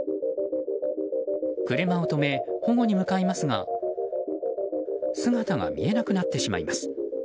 車を止め、保護に向かいますが姿が見えなくなってしまいます。